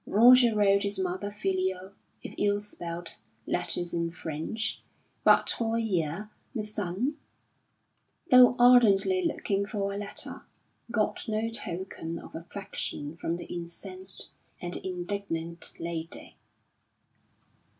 Roger wrote his mother filial, if ill spelt, letters in French; but, for a year, the son, though ardently looking for a letter, got no token of affection from the incensed and indignant lady.